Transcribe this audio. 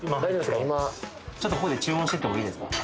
今ちょっとここで注文してってもいいですか？